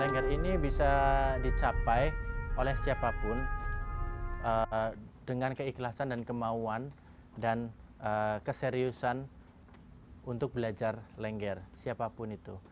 lengger ini bisa dicapai oleh siapapun dengan keikhlasan dan kemauan dan keseriusan untuk belajar lengger siapapun itu